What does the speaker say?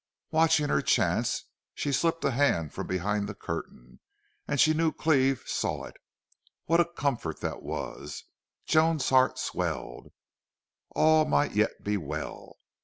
Watching her chance, she slipped a hand from behind the curtain, and she knew Cleve saw it. What a comfort that was! Joan's heart swelled. All might yet be well.